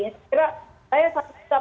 atau bagi yang sanggup